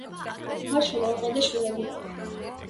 დარჩა მეუღლე და შვილები.